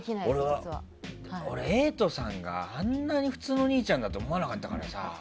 俺、瑛人さんがあんなに普通の兄ちゃんだと思わなかったからさ。